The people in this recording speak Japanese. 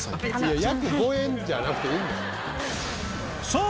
いや約５円じゃなくていいんですよ。